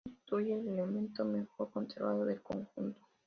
Constituye el elemento mejor conservado del conjunto.